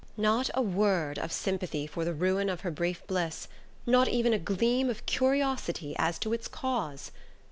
Not a word of sympathy for the ruin of her brief bliss, not even a gleam of curiosity as to its cause!